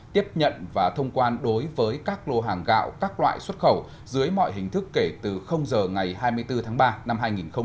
tiếp nhận và thông quan đối với các lô hàng gạo các loại xuất khẩu dưới mọi hình thức kể từ giờ ngày hai mươi bốn tháng ba năm hai nghìn hai mươi